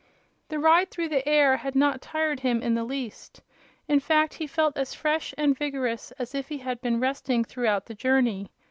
The ride through the air had not tired him in the least; in fact, he felt as fresh and vigorous as if he had been resting throughout the journey.